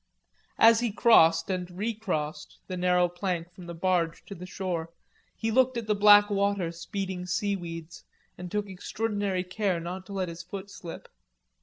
As he crossed and recrossed the narrow plank from the barge to the shore, he looked at the black water speeding seawards and took extraordinary care not to let his foot slip.